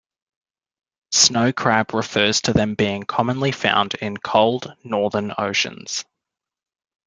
Snow crab refers to them being commonly found in cold northern oceans.